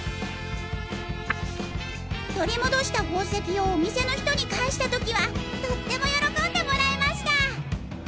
「取り戻した宝石をお店の人に返したときはとっても喜んでもらえました！